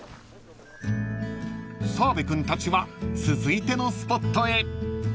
［澤部君たちは続いてのスポットへ］